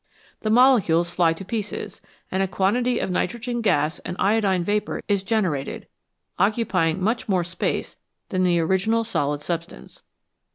The molecules fly to pieces, and a quantity of nitrogen gas and iodine vapour is generated, occupying much more space than the original solid substance.